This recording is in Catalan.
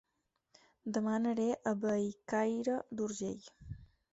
Dema aniré a Bellcaire d'Urgell